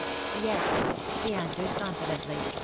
" Yes/^ he answers confidently.